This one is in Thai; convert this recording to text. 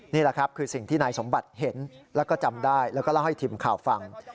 นี่แหละครับคือสิ่งที่นายสมบัติเห็นแล้วก็จำได้แล้วก็เล่าให้ทีมข่าวฟัง